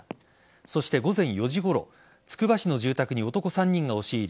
そして午前４時ごろつくば市の住宅に男３人が押し入り